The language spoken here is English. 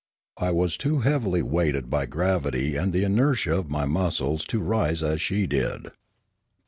I was too heavily weighted by gravity and the inertia of my muscles to rise as she did.